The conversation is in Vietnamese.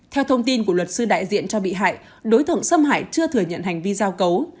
theo thông tin của luật sư đại diện cho bị hại đối tượng xâm hại chưa thừa nhận hành vi giao cấu